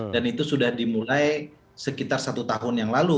itu sudah dimulai sekitar satu tahun yang lalu